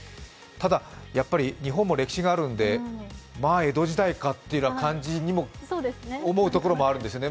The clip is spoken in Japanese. やっぱり日本も歴史があるので江戸時代かっていう感じにも思うところもあるんですね。